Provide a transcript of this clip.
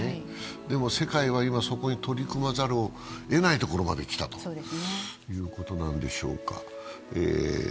でも世界は今、そこに取り組まざるをえないところまできたということなんでしょうか。